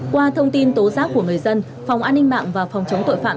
qua thông tin tố giác của người dân phòng an ninh mạng và phòng chống tội phạm